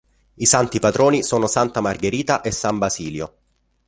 I santi patroni sono Santa Margherita e San Basilio.